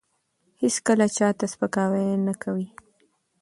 هیڅکله چا ته سپکاوی نه کوي.